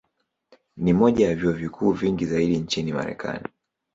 Ni moja ya vyuo vikuu vingi zaidi nchini Marekani.